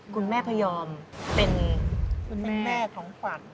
คุณแม่พยอมเป็น